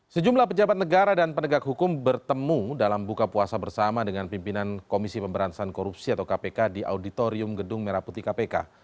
sejumlah pejabat negara dan penegak hukum bertemu dalam buka puasa bersama dengan pimpinan komisi pemberantasan korupsi atau kpk di auditorium gedung merah putih kpk